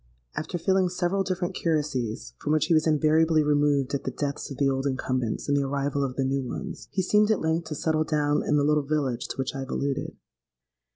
After filling several different curacies, from which he was invariably removed at the deaths of the old incumbents and the arrival of the new ones, he seemed at length to settle down in the little village to which I have alluded.